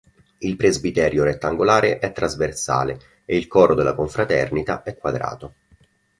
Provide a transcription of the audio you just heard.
Il presbiterio rettangolare è trasversale e il coro della confraternita è quadrato.